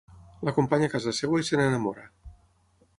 L'acompanya a casa seva i se n'enamora.